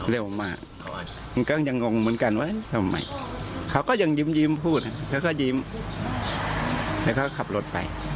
แล้วเขาก็ขับรถไป